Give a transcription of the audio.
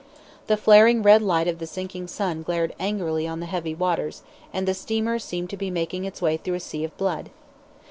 The flaring red light of the sinking sun glared angrily on the heavy waters, and the steamer seemed to be making its way through a sea of blood.